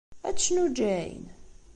Ad tecnu Jane?